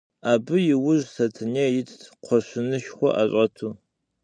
Абы иужь Сэтэней итт, кхъуэщынышхуэ ӏэщӏэту.